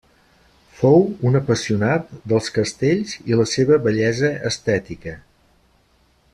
Fou un apassionat dels castells i la seva bellesa estètica.